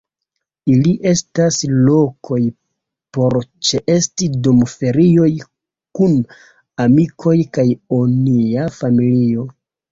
Ili estas lokoj por ĉeesti dum ferioj kun amikoj kaj onia familio.